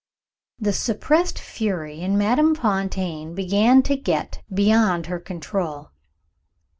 The suppressed fury in Madame Fontaine began to get beyond her control.